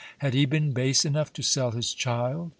Had he been base enough to sell his child?